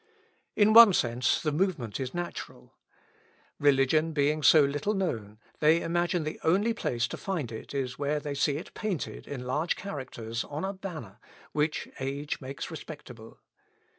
In one sense, the movement is natural. Religion being so little known, they imagine the only place to find it is where they see it painted, in large characters, on a banner, which age makes respectable.